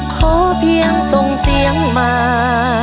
ขอเพียงส่งเสียงมา